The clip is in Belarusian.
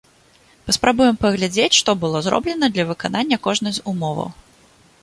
Паспрабуем паглядзець, што было зроблена для выканання кожнай з умоваў.